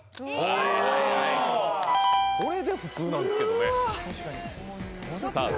これで普通なんですけどね。